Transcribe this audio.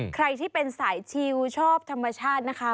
ใครที่เป็นสายชิลชอบธรรมชาตินะคะ